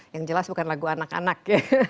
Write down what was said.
yang jelas bukan lagu anak anak